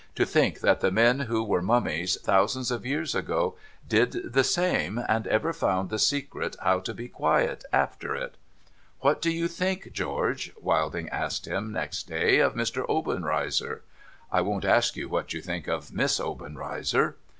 To think that the men who were mummies thousands of years ago, did the same, and ever found the secret how to be quiet after it !' What do you think, George,' Wilding asked him next day, * of Mr. Obenreizer ? (I won't ask you what you think of Miss Obenreizer.)